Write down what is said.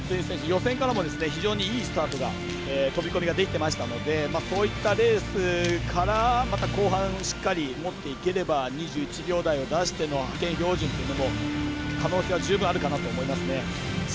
予選からも非常にいいスタートが飛び込みができていましたのでそういったレースから後半しっかり持っていければ２１秒台を出しての派遣標準というのも可能性は十分あるかなと思います。